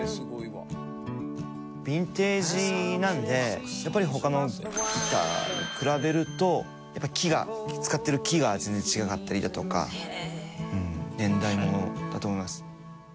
ヴィンテージなんでやっぱり他のギターに比べるとやっぱり木が使ってる木が全然違かったりだとか年代物だと思います。